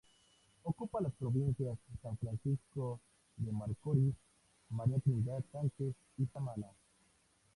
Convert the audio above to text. Ocupa las provincias San Francisco de Macorís, María Trinidad Sánchez y Samaná.